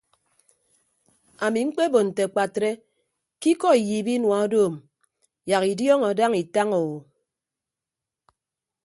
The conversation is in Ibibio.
Ami mkpebo nte akpatre ke ikọ iyiip inua odoom yak idiọọñọ daña itaña o.